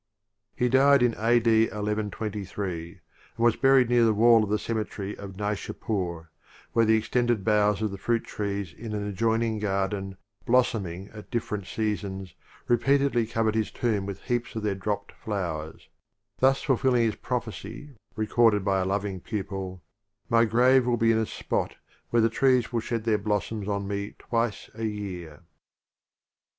He died A. D. I72J and was buried near the wall of the cemetery of Naishd pdr where the extended boughs of the fruit trees in an adjoining garden, blossoming at different seasons, repeatedly covered his tomb with heaps of their dropped flowers, thus fulfilling his prophecy recorded by a loving pupil: "My grave will be in a spot where the trees will shed their blos soms on me twice a year."